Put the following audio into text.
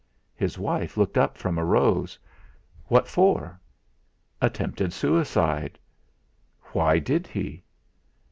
His wife looked up from a rose. "What for?" "Attempted suicide." "Why did he?"